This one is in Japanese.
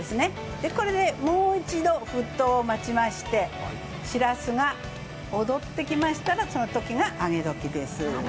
これでもう一度沸騰を待ちましてしらすが踊ってきましたら、そのときが揚げ時です。